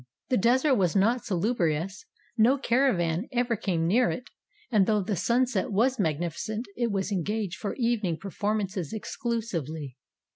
The desert was not salu brious; no caravan ever came near it; and though the sunset was magnificent it was engaged for evening performances exclusively.